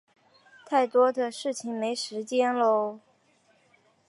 太多的事情没时间搂